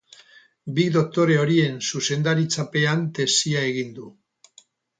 Bi doktore horien zuzendaritzapean tesia egin du.